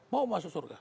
mau masuk surga